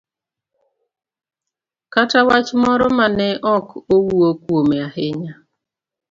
kata wach moro ma ne ok owuo kuome ahinya,